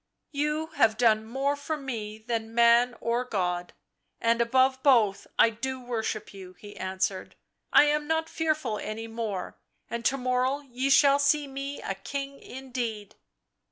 " You have done more for me than man or God, and above both I do you worship," he answered. " I am not fearful any more, and to morrow ye shall see me a king indeed."